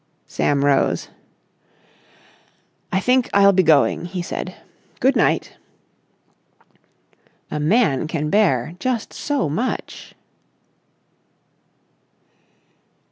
Sam rose. "I think I'll be going," he said. "Good night!" A man can bear just so much.